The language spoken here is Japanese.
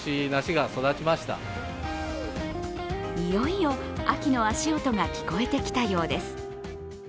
いよいよ秋の足音が聞こえてきたようです。